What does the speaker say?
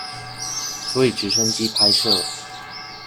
所以直升機拍攝